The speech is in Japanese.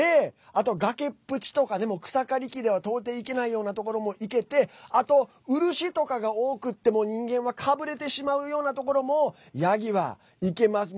崖っぷちとかでも草刈り機では到底行けないようなところも行けてあと、漆とかが多くってもう人間はかぶれてしまうようなところもヤギは行けます。